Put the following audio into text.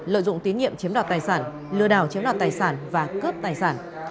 lợi dụng tín nhiệm chiếm đoạt tài sản lừa đảo chiếm đoạt tài sản và cướp tài sản